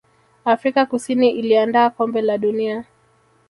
afrika kusini iliandaa kombe la dunia